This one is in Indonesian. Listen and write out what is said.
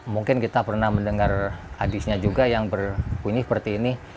mungkin kita pernah mendengar hadisnya juga yang berbunyi seperti ini